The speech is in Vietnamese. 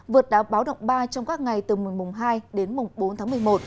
vượt đá báo động ba trong các ngày từ mùng hai đến mùng bốn tháng một mươi một